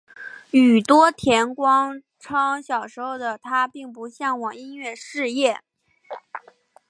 宇多田光称小时候的她并不向往音乐事业。